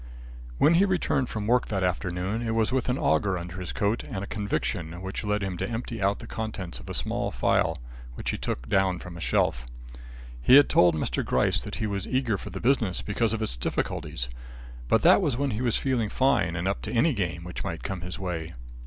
When he returned from work that afternoon it was with an auger under his coat and a conviction which led him to empty out the contents of a small phial which he took down from a shelf. He had told Mr. Gryce that he was eager for the business because of its difficulties, but that was when he was feeling fine and up to any game which might come his way.